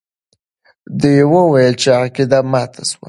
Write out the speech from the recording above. دوی وویل چې عقیده ماته سوه.